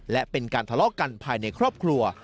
และเป็นการทะเลาะกันภายในครอบครัว